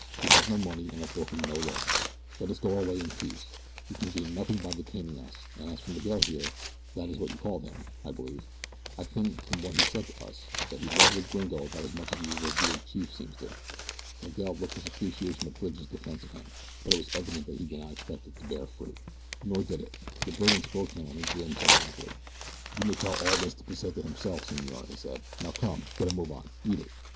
We have no money and have broken no laws. Let us go our way in peace. You can gain nothing by detaining us, and as for Miguel here that is what you called him, I believe I think from what he said to us that he loves a gringo about as much as your revered chief seems to." Miguel looked his appreciation of Bridge's defense of him; but it was evident that he did not expect it to bear fruit. Nor did it. The brigand spokesman only grinned sardonically. "You may tell all this to Pesita himself, senor," he said. "Now come get a move on beat it!"